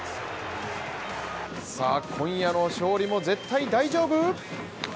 さあ今夜の勝利も絶対大丈夫。